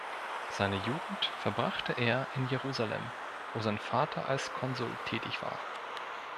Seine Jugend verbrachte er in Jerusalem, wo sein Vater als Konsul tätig war.